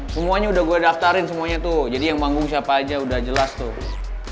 semuanya udah gue daftarin semuanya tuh jadi yang panggung siapa aja udah jelas tuh